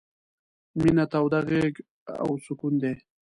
— مينه توده غېږه او سکون دی...